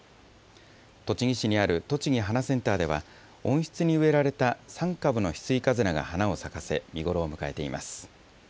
栃木市にあるとちぎ花センターでは、温室に植えられた３株のヒスイカズラが花を咲かせ、見頃を迎えています。